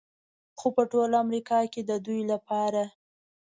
خو په ټول امریکا کې د دوی لپاره